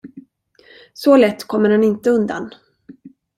Så lätt kommer han inte undan.